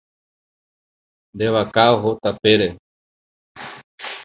Nde vaka oho tapére.